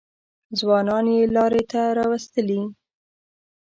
ځوانان یې لارې ته راوستلي.